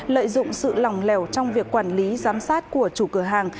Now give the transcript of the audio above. lợi dụng sự lòng lèo trong việc quản lý giám sát của chủ cửa hàng